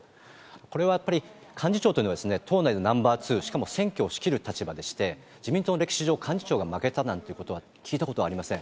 これはやっぱり幹事長というのはですね、党内でナンバー２、しかも選挙を仕切る立場でして、自民党の歴史上、幹事長が負けたなんてことは、聞いたことがありません。